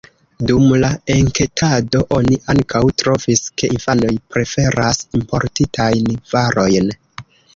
Dum la enketado oni ankaŭ trovis, ke infanoj preferas importitajn varojn.